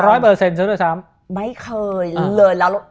ร้อยเปอร์เซ็นซ์ด้วยซ้ำ